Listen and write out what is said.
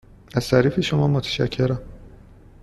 از تعریف شما متشکرم.